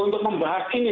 untuk membahas ini